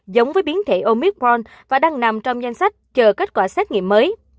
giống với biến thể omicron và đang nằm trong danh sách chờ kết quả xét nghiệm mới